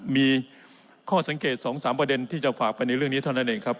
มีข้อสังเกต๒๓ประเด็นที่จะฝากไปในเรื่องนี้เท่านั้นเองครับ